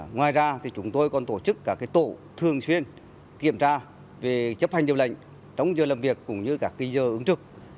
ngoài ra chúng tôi còn tổ chức các tổ thường xuyên kiểm tra về chấp hành điều lệnh trong giờ làm việc cũng như các giờ ứng trực